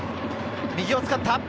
右を使った。